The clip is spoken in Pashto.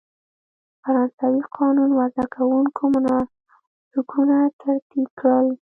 فرانسوي قانون وضع کوونکو مناسکونه ترتیب کړل.